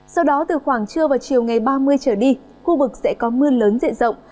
sau đó từ khoảng trưa và chiều ngày ba mươi trở đi khu vực sẽ có mưa lớn diện rộng